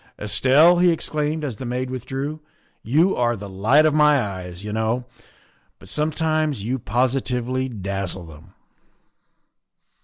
" Estelle," he exclaimed as the maid withdrew, " you are the light of my eyes, you know, but sometimes you positively dazzle them."